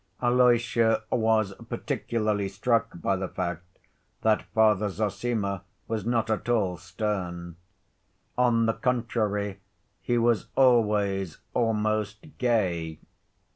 Alyosha was particularly struck by the fact that Father Zossima was not at all stern. On the contrary, he was always almost gay.